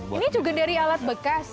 ini juga dari alat bekas